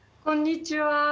こんにちは。